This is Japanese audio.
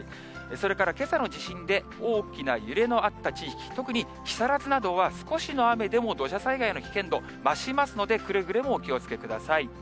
それからけさの地震で大きな揺れのあった地域、特に、木更津などは少しの雨でも土砂災害の危険度、増しますので、くれぐれもお気をつけください。